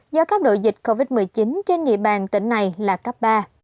do các đội dịch covid một mươi chín trên địa bàn tỉnh này là cấp ba